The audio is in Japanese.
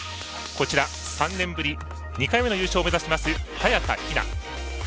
３年ぶり２回目の優勝を目指します早田ひな。